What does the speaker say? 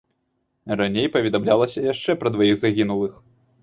Раней паведамлялася яшчэ пра дваіх загінулых.